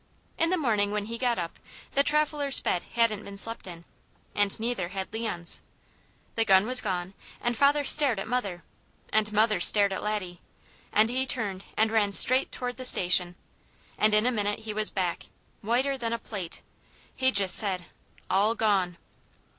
In the morning when he got up the traveller's bed hadn't been slept in, and neither had Leon's. The gun was gone, and father stared at mother, and mother stared at Laddie, and he turned and ran straight toward the Station, and in a minute he was back, whiter than a plate. He just said: "All gone!"